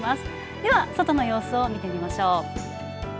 では外の様子を見てみましょう。